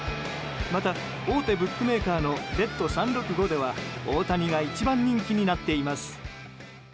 また、大手ブックメーカーのベット３６５では大谷が一番人気になっています。